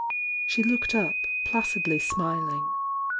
She looked up, placidly smiling.